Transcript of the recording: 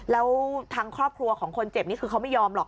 แล้วทางครอบครัวของคนเจ็บนี่คือเขาไม่ยอมหรอก